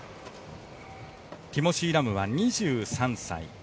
ティモシー・ラムは２３歳。